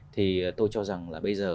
thì tôi cho rằng là bây giờ